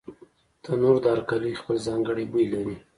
تنور د هر کلي خپل ځانګړی بوی لري